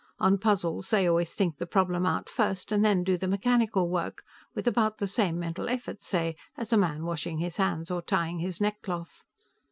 On puzzles, they always think the problem out first, and then do the mechanical work with about the same mental effort, say, as a man washing his hands or tying his neckcloth."